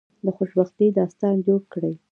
د خوشبختی داستان جوړ کړی.